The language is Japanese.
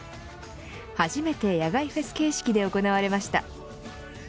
初めて野外フェス形式で行われました。